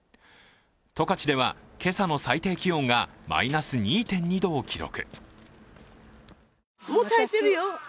十勝では、今朝の最低気温がマイナス２．２度を記録。